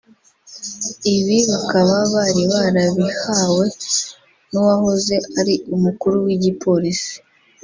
Ibi bakaba bari barabihawe n’uwahoze ari umukuru w’igipolisi